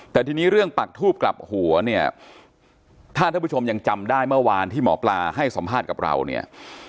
แต่ทีนี้เรื่องปักทูบกลับหัวเนี่ยถ้าท่านผู้ชมยังจำได้เมื่อวานที่หมอปลาให้สัมภาษณ์กับเราเนี่ย